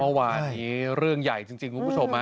เมื่อวานนี้เรื่องใหญ่จริงคุณผู้ชม